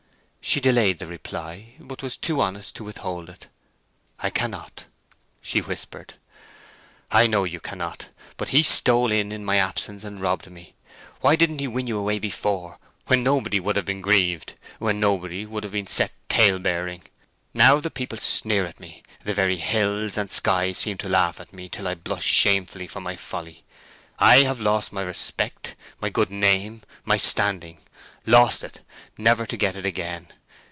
She delayed the reply, but was too honest to withhold it. "I cannot," she whispered. "I know you cannot. But he stole in in my absence and robbed me. Why didn't he win you away before, when nobody would have been grieved?—when nobody would have been set tale bearing. Now the people sneer at me—the very hills and sky seem to laugh at me till I blush shamefully for my folly. I have lost my respect, my good name, my standing—lost it, never to get it again.